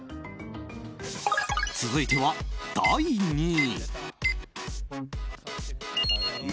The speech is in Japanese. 続いては、第２位。